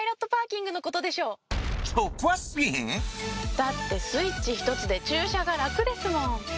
だってスイッチひとつで駐車が楽ですもん。